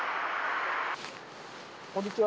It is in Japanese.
こんにちは。